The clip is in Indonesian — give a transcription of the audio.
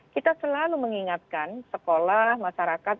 kita selalu mengingatkan sekolah masyarakat